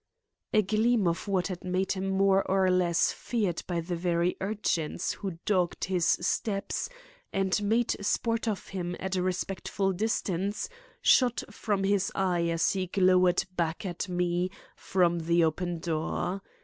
A gleam of what had made him more or less feared by the very urchins who dogged his steps and made sport of him at a respectful distance shot from his eye as he glowered back at me from the open door.